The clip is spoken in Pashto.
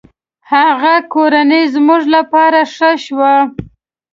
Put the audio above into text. هغه کورنۍ زموږ له پاره ښه شوه.